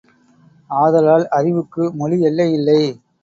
ஆதலால், அறிவுக்கு மொழியெல்லையில்லை.